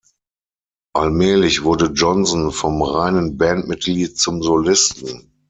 Allmählich wurde Johnson vom reinen Bandmitglied zum Solisten.